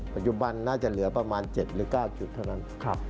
ปัจจุบันน่าจะเหลือประมาณเจ็บหรือเก้าจุดเท่านั้นครับ